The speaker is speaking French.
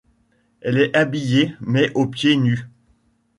Elle est habillée mais au pieds nus.